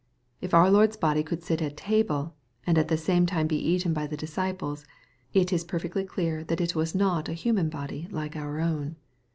— If our Lord's body could sit at table, and at the same time be eaten by the disciples, it is perfectly clear that it was not a human body like our own.